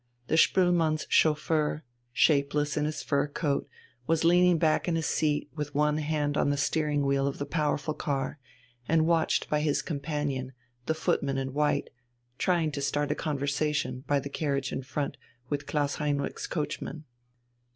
The Spoelmanns' chauffeur, shapeless in his fur coat, was leaning back in his seat with one hand on the steering wheel of the powerful car, and watched his companion, the footman in white, trying to start a conversation, by the carriage in front, with Klaus Heinrich's coachman.